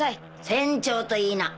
船長と言いな。